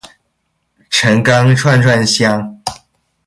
陈钢串串香